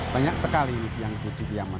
banyak sekali yang itu di piaman